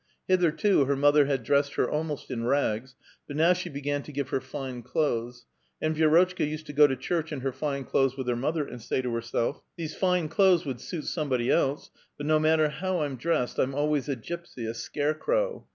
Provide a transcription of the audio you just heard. Hitherto her motiier had dressed her almost in rags, but now she began to give her fine clothes. And Vi^rotchka used to go to church in her fine clothes with her mother, and say to herself: "These fine clothes would suit somebody else ; but no matter how I'm dressed, I'm always a gypsy, a scarecrow.